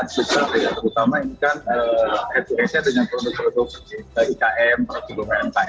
terutama ini kan f dua f nya dengan produk produk ikm produk produk nkm